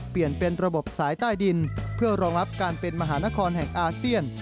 เปลี่ยนเป็นระบบสายใต้ดินเพื่อรองรับการเป็นมหานครแห่งอาเซียน